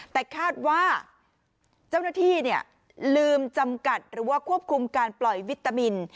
แต่คาดว่าเจ้าหน้าที่ลืมจำกัดหรือว่าควบคุมการปล่อยวิตามิน